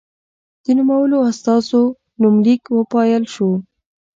د نومولو استازو نومليک وپايلل شو.